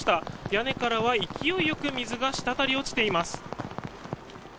屋根からは勢いよく水がしたたり落ちています。